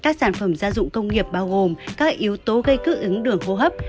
các sản phẩm gia dụng công nghiệp bao gồm các yếu tố gây cư ứng đường khô hấp